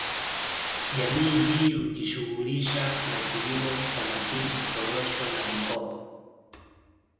Jamii hii hujishughulisha na kilimo cha mahindi korosho na mihoho